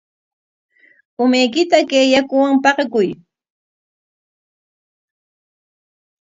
Umaykita kay yakuwan paqakuy.